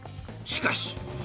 しかし。